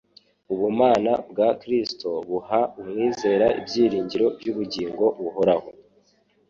Ubumana bwa Kristo buha umwizera ibyiringiro by'ubugingo buhoraho.